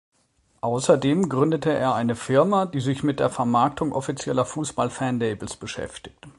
Außerdem gründete er eine Firma, die sich mit der Vermarktung offizieller Fußball-Fanlabels beschäftigt.